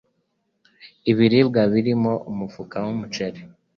ibiribwa birimo umufuka w umuceli